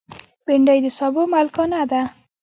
بېنډۍ د سابو ملکانه ده